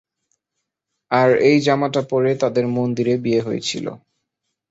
আর এই জামাটা পরে তাদের মন্দিরে বিয়ে হয়েছিলো।